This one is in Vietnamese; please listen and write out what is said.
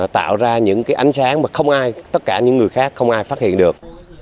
tạo ra những cái ánh sáng mà không ai tất cả những người khác không ai phát hiện được